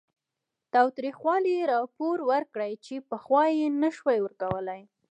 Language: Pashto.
تاوتریخوالي راپور ورکړي چې پخوا یې نه شو ورکولی